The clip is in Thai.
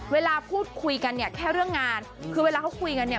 เวลาพูดคุยกันเนี่ยแค่เรื่องงานคือเวลาเขาคุยกันเนี่ย